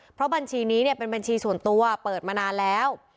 เพราะบัญชีนี้เนี่ยเป็นบัญชีส่วนตัวเปิดมานานแล้ว